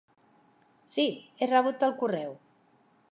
Sí, he rebut el correu!